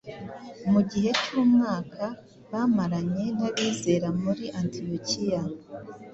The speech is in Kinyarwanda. mu gihe cy’umwaka bamaranye n’abizera muri Antiyokiya.